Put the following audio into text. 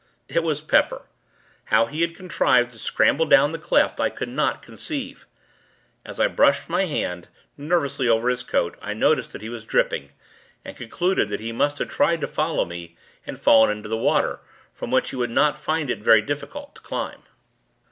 It was Pepper. How he had contrived to scramble down the cleft, I could not conceive. As I brushed my hand, nervously, over his coat, I noticed that he was dripping; and concluded that he must have tried to follow me, and fallen into the water; from which he would not find it very difficult to climb.